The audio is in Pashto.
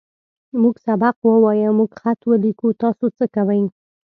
موږ سبق ووايه. موږ خط وليکو. تاسې څۀ کوئ؟